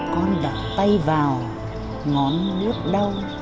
con đặt tay vào ngón nước đau